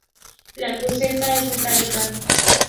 La cruceta es metálica.